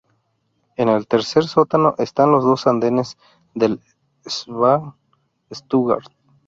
En el tercer sótano están los dos andenes del S-Bahn Stuttgart.